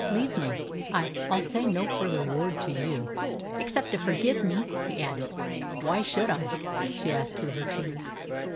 "Leave me. I I'll say no further word to you." "Except to forgive me," He added. "Why should I?" she asked through her tears.